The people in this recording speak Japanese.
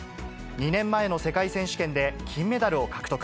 ２年前の世界選手権で金メダルを獲得。